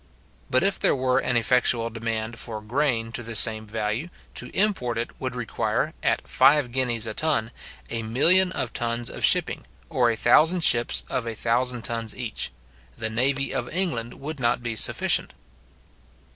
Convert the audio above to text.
But if there were an effectual demand for grain to the same value, to import it would require, at five guineas a ton, a million of tons of shipping, or a thousand ships of a thousand tons each. The navy of England would not be sufficient.